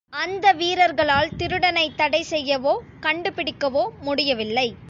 அந்த வீரர்களால் திருடனைத் தடை செய்யவோ, கண்டுபிடிக்கவோ முடியவில்லை.